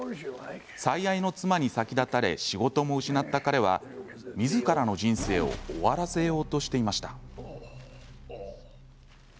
最愛の妻に先立たれ仕事も失った彼はみずからの人生を終わらせようとしていました。